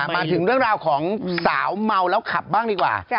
มาถึงเรื่องราวของสาวเมาแล้วขับบ้างดีกว่า